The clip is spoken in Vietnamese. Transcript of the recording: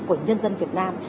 của nhân dân việt nam